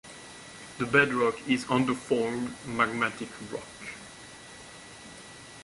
The bedrock is undeformed magmatic rock.